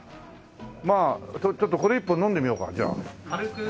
まあちょっとこれ１本飲んでみようかじゃあ。